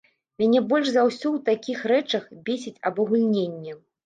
Мяне больш за ўсё ў такіх рэчах бесіць абагульненне.